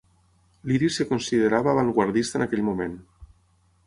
L'Iris es considerava avantguardista en aquell moment.